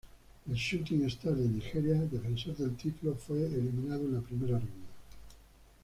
El Shooting Stars de Nigeria, defensor del título, fue eliminado en la primera ronda.